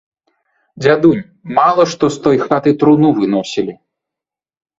Дзядунь, мала што з той хаты труну выносілі.